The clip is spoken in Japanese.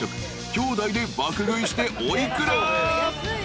［兄弟で爆食いしてお幾ら？］